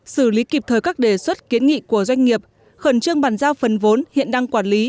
xử lý kịp thời các đề xuất kiến nghị của doanh nghiệp khẩn trương bàn giao phần vốn hiện đang quản lý